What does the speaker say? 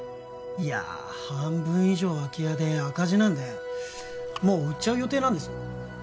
いや半分以上空き家で赤字なんでもう売っちゃう予定なんですよ